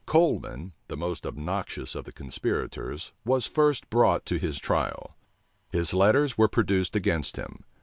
Coleman, the most obnoxious of the conspirators, was first brought to his trial. His letters were produced against him.